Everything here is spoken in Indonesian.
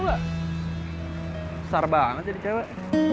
besar banget jadi cewek